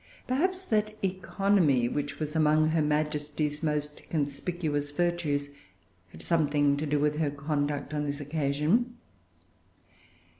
Perhaps that economy, which was among her Majesty's most conspicuous virtues, had something to do with her conduct on this occasion.